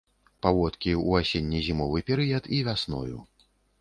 Паводкі ў асенне-зімовы перыяд і вясною.